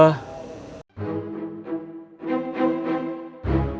hah mau pesen apa